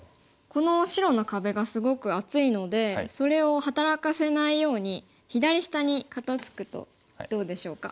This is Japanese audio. この白の壁がすごく厚いのでそれを働かせないように左下に肩ツクとどうでしょうか。